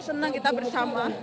senang kita bersama